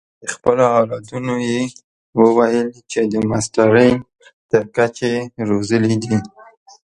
د خپلو اولادونو یې وویل چې د ماسټرۍ تر کچې یې روزلي دي.